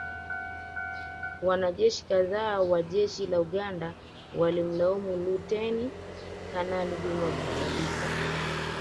Wanajeshi kadhaa wa Jeshi la Uganda walimlaumu Luteni Kanali Juma Butabika